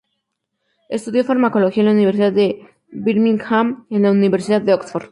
Estudió farmacología en la Universidad de Birmingham y en la Universidad de Oxford.